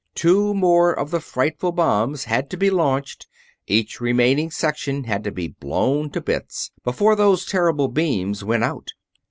Two more of the frightful bombs had to be launched each remaining section had to be blown to bits before those terrible beams went out!